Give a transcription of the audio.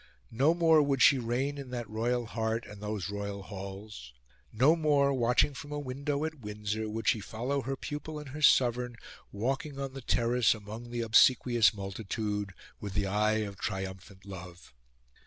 No more would she reign in that royal heart and those royal halls. No more, watching from a window at Windsor, would she follow her pupil and her sovereign walking on the terrace among the obsequious multitude, with the eye of triumphant love.